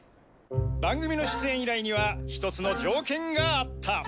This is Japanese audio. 番組の出演依頼には１つの条件があった。